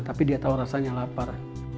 tapi dia tahu rasanya lapar